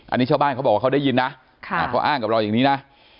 อันนี้ชาวบ้านเขาบอกว่าเขาได้ยินนะเขาอ้างกับเราอย่างนี้นะ